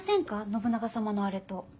信長様のあれと。